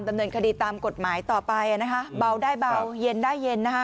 ดำเนินคดีตามกฎหมายต่อไปนะคะเบาได้เบาเย็นได้เย็นนะคะ